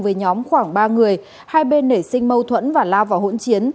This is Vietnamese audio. với nhóm khoảng ba người hai bên nể sinh mâu thuẫn và la vào hỗn chiến